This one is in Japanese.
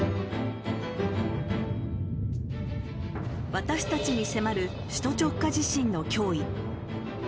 私たちに迫る首都直下地震の脅威。